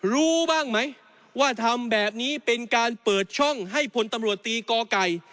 รู้บ้างไหมว่าทำแบบนี้เป็นการเปิดช่องให้พลตำรวจตีกอไก่